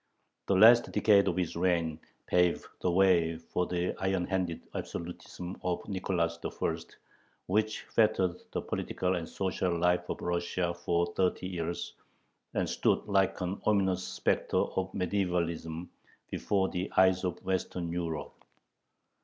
The last decade of his reign paved the way for the iron handed absolutism of Nicholas I., which fettered the political and social life of Russia for thirty years, and stood like an ominous specter of medievalism before the eyes of Western Europe.